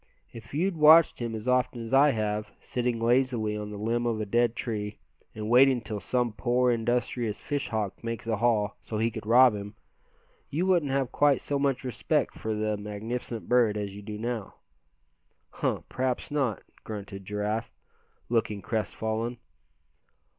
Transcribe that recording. If you'd watched him as often as I have, sitting lazily on the limb of a dead tree, and waiting till some poor, industrious fish hawk makes a haul, so he could rob him, you wouldn't have quite so much respect for the magnificent bird as you do now." "Huh! p'raps not," grunted Giraffe, looking crestfallen.